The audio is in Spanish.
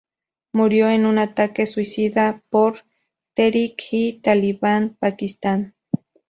Murió en un ataque suicida por Tehrik-i-Taliban Pakistan.